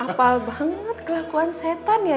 hafal banget kelakuan setan ya